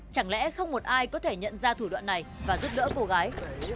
chẳng lẽ không một ai có thể nhận ra thủ đoạn này và giúp đỡ cô gái